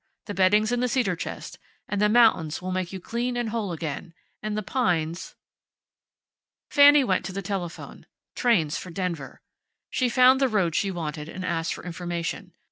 The bedding's in the cedar chest. And the mountains will make you clean and whole again; and the pines..." Fanny went to the telephone. Trains for Denver. She found the road she wanted, and asked for information.